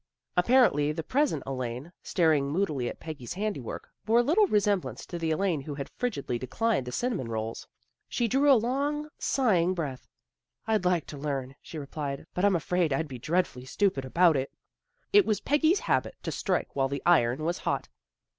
Apparently the present Elaine, staring mood ily at Peggy's handiwork, bore little resemblance to the Elaine who had frigidly declined the cinnamon rolls. She drew a long, sighing breath, " I'd like to learn," she replied. " But I'm afraid I'd be dreadfully stupid about it." It was Peggy's habit to strike while the iron was hot.